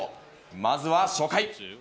まずは初回。